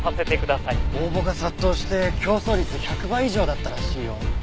応募が殺到して競争率１００倍以上だったらしいよ。